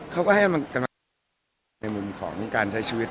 เขาก็ให้มันกำลังในมุมของการใช้ชีวิต